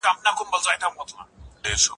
ځوانان ملامت نه دي ، چي له ځانه سي بې ځانه